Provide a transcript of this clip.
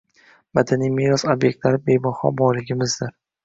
Madaniy meros ob’ektlari bebaho boyligimizdir